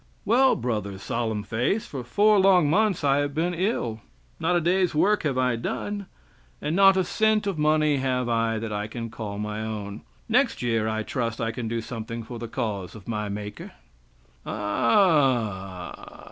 "Well, Bro. Solemnface, for four long months I have been ill; not a day's work have I done, and not a cent of money have I that I can call my own. Next year I trust I can do something for the cause of my Maker." "Ah h h h h h!"